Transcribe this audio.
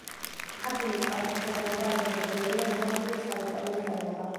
ქართული წყაროთმცოდნეობა ისევე ძველია, როგორც თვით საისტორიო მწერლობა.